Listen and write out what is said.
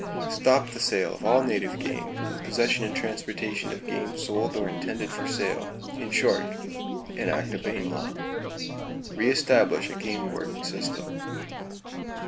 Stop the sale of all native game, and the possession and transportation of game sold or intended for sale. In short, Enact a Bayne law. Re establish a game warden system.